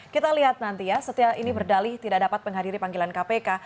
kita lihat nanti ya setia ini berdalih tidak dapat menghadiri panggilan kpk